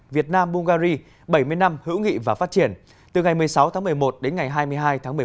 việt nam bungary bảy mươi năm hữu nghị và phát triển từ ngày một mươi sáu tháng một mươi một đến ngày hai mươi hai tháng một mươi một